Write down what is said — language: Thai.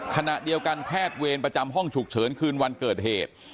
ขณะเดียวกันแพทย์เวรประจำห้องฉุกเฉินคืนวันเกิดเหตุ